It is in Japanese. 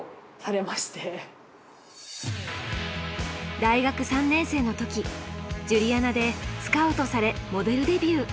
大学３年生の時ジュリアナでスカウトされモデルデビュー。